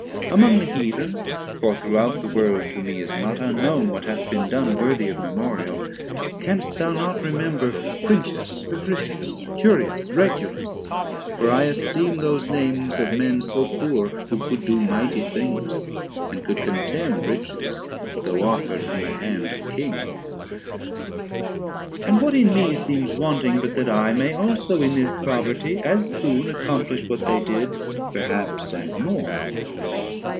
Among the Heathen, (for throughout the World To me is not unknown what hath been done Worthy of Memorial) canst thou not remember Quintius, Fabricius, Curius, Regulus? For I esteem those names of men so poor Who could do mighty things, and could contemn Riches though offer'd from the hand of Kings. And what in me seems wanting, but that I 450 May also in this poverty as soon Accomplish what they did, perhaps and more?